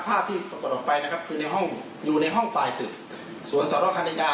และที่คือของประมาณปราณปรุงปรองต้น